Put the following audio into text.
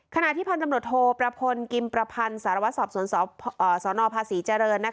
ขณะที่พันธุ์ตำรวจโทประพลกิมประพันธ์สารวัตรสอบสวนสนภาษีเจริญ